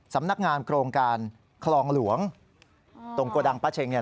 สำนักงานโครงการคลองหลวงตรงโกดังป้าเช็งเนี่ย